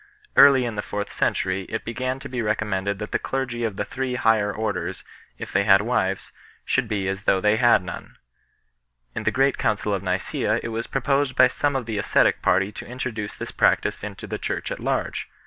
Early in the fourth century it began to be recommended that the clergy of the three higher orders, if they had wives, should be as though they had none 2 . In the great council of Nicsea it was proposed by some of the ascetic party to introduce this practice into the Church at large.